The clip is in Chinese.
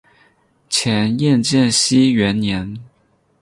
前燕建熙元年。